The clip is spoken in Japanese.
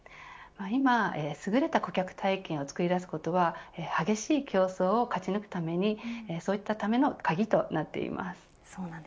今すぐれた顧客体験を作り出すことは激しい競争を勝ち抜くためにそういったための鍵となっています。